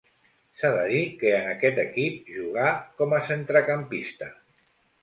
S'ha de dir que en aquest equip jugà com a centrecampista.